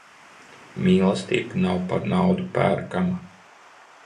Mīlestība nav par naudu pērkama.